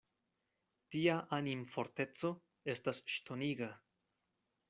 Tia animforteco estas ŝtoniga.